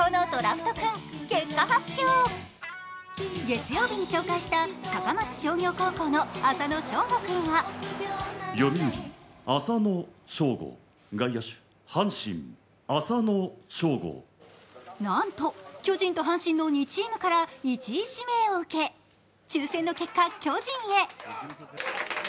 月曜日に紹介した高松商業高校の浅野翔吾君はなんと、巨人と阪神の２チームから１位指名を受け、抽選の結果、巨人へ。